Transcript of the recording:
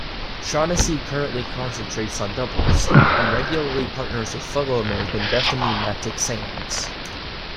Shaughnessy currently concentrates on doubles, and regularly partners with fellow American Bethanie Mattek-Sands.